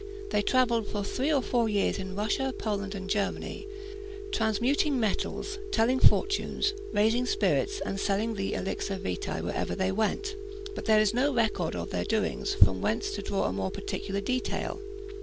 They travelled for three or four years in Russia, Poland, and Germany, transmuting metals, telling fortunes, raising spirits, and selling the elixir vitæ wherever they went; but there is no record of their doings from whence to draw a more particular detail.